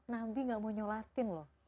nabi tidak mau menyulatkan loh